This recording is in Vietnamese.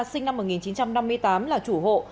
sinh năm một nghìn chín trăm năm mươi tám là chủ hộ